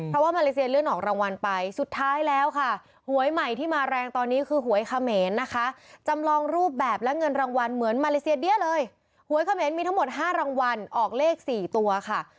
เพราะถูกบ้านเฉยโตไม่มีรายได้เลยค่ะ